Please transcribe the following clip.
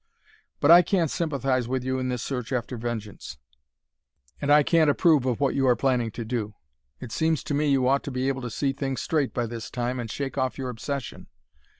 But I can't sympathize with you in this search after vengeance, and I can't approve of what you are planning to do. It seems to me you ought to be able to see things straight by this time and shake off your obsession.